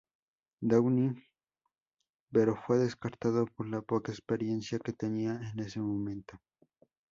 Downing, pero fue descartado por la poca experiencia que tenía en ese momento.